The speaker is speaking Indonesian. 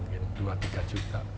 mungkin dua tiga juta